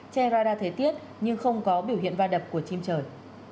che radar thế tiết nhưng không có biểu hiện va đập của chim trời